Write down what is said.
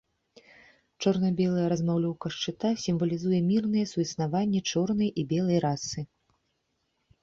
Чорна-белая размалёўка шчыта сімвалізуе мірнае суіснаванне чорнай і белай расы.